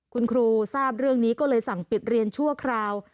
คุณครูทราบเรื่องนี้ก็เลยสั่งปิดเรียนชั่วคราว